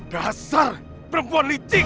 gasar perempuan licik